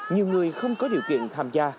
nhiều người không có điều kiện tham gia